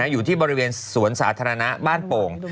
อยู่ที่บริเวณสวนสาธารณะบ้านโป่ง